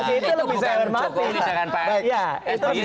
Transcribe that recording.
itu bukan jokowi bukan pak espin